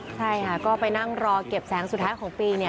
ใช่ค่ะก็ไปนั่งรอเก็บแสงสุดท้ายของปีเนี่ย